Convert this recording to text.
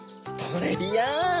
トレビアン！